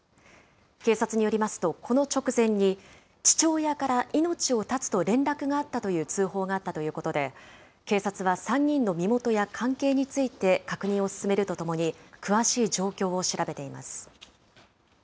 警察によりますと、この直前に、父親から命を絶つと連絡があったという通報があったということで、警察は３人の身元や関係について確認を進めるとともに、詳しい状況を調べています。